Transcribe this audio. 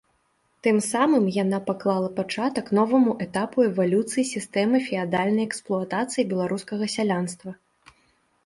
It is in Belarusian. Тым самым яна паклала пачатак новаму этапу эвалюцыі сістэмы феадальнай эксплуатацыі беларускага сялянства.